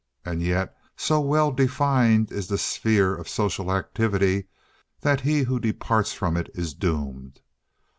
And yet so well defined is the sphere of social activity that he who departs from it is doomed.